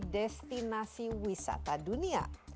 destinasi wisata dunia